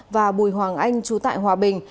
và bùi hoàng anh chú tại hòa bình